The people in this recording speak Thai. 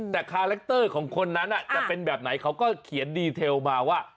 แต่คาแรคเตอร์ของคนนั้นจะเป็นแบบไหนเขาก็เขียนดีเทลมาว่า